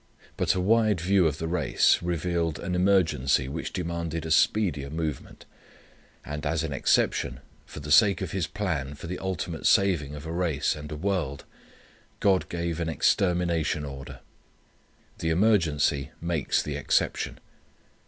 But a wide view of the race revealed an emergency which demanded a speedier movement. And as an exception, for the sake of His plan for the ultimate saving of a race, and a world, God gave an extermination order. The emergency makes the exception.